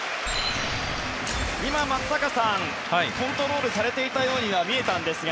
今、松坂さんコントロールされていたようには見えたんですが。